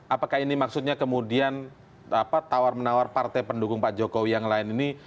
apakah ini maksudnya kemudian tawar menawar partai pendukung pak jokowi yang lain ini